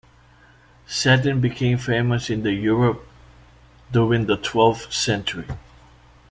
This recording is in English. Satin became famous in Europe during the twelfth century.